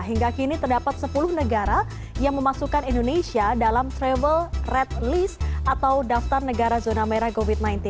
hingga kini terdapat sepuluh negara yang memasukkan indonesia dalam travel red list atau daftar negara zona merah covid sembilan belas